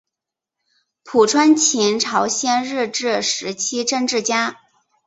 朴春琴朝鲜日治时期政治家。